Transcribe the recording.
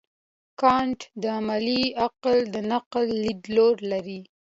کانټ د عملي عقل د نقد لیدلوری لري.